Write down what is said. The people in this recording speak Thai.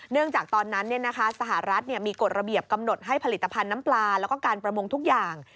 จากตอนนั้นสหรัฐมีกฎระเบียบกำหนดให้ผลิตภัณฑ์น้ำปลาแล้วก็การประมงทุกอย่าง